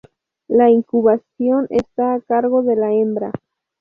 La incubación está a cargo de la hembra.